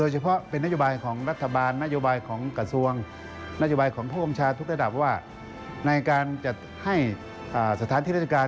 ทุกระดับว่าในการจะให้สถานที่รัชกาล